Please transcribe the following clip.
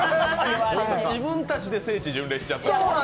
自分たちで聖地巡礼しちゃった？